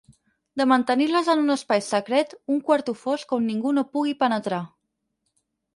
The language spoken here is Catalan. De mantenir-les en un espai secret, un quarto fosc on ningú no pugui penetrar.